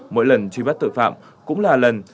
mỗi lần truy bắt tội phạm cũng là lần